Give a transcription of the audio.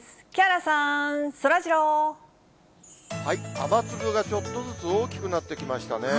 雨粒がちょっとずつ大きくなってきましたね。